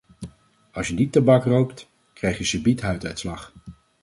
Als je die tabak rookt, krijg je subiet huiduitslag.